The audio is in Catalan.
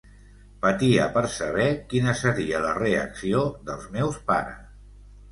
Patia per saber quina seria la reacció dels meus pares.